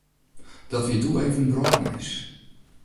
Dat wie doe even wrâldnijs.